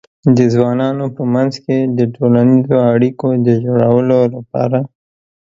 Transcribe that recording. د ځوانانو په منځ کې د ټولنیزو اړیکو د جوړولو لپاره